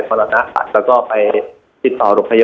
วันนี้แม่ช่วยเงินมากกว่า